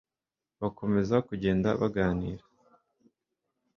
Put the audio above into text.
bakomeza kugenda baganira